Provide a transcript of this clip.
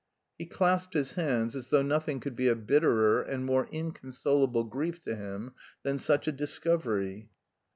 He clasped his hands, as though nothing could be a bitterer and more inconsolable grief to him than such a discovery.